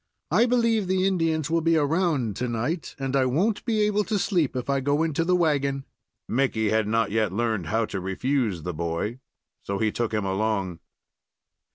I believe the Indians will be around to night, and I won't be able to sleep if I go into the wagon." Mickey had not yet learned how to refuse the boy, and so he took him along.